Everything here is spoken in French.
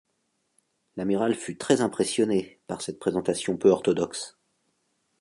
L'amiral fut très impressionné par cette présentation peu orthodoxe.